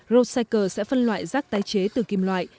rosecycle sẽ phân loại rác tái chế từ kim loại